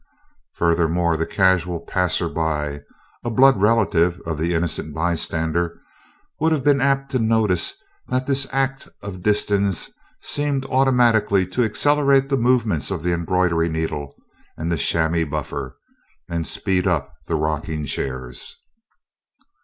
Furthermore, the Casual Passerby a blood relative of the Innocent Bystander would have been apt to notice that this act of Disston's seemed automatically to accelerate the movements of the embroidery needle and the chamois buffer, and speed up the rocking chairs.